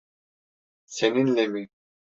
Seninle mi?